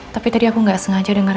tapi tadi aku gak sengaja denger